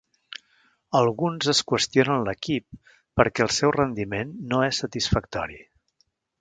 Alguns es qüestionen l'equip perquè el seu rendiment no és satisfactori.